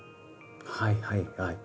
はいはいはい。